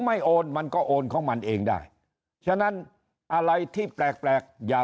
โอนมันก็โอนของมันเองได้ฉะนั้นอะไรที่แปลกแปลกอย่า